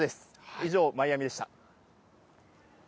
以上、マイアミでした。